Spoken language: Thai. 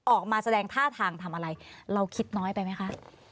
ออกมาแสดงท่าทางทำอะไรเราคิดน้อยไปไหมคะ